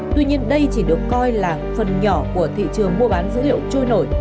tuy nhiên đây chỉ được coi là phần nhỏ của thị trường mua bán dữ liệu trôi nổi